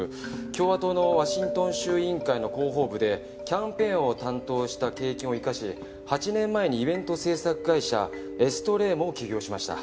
共和党のワシントン州委員会の広報部でキャンペーンを担当した経験を生かし８年前にイベント制作会社エストレーモを起業しました。